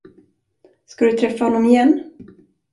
Ska du träffa honom igen?